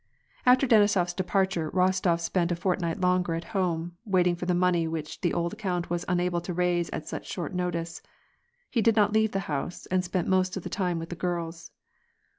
After Denisof's departure, Rostof spent a fortnight longer at home, waiting for the money which the old count was unable to raise at such short notice ; he did not leave the house, and spent most of the time with the girls.